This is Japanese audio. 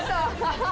ハハハ！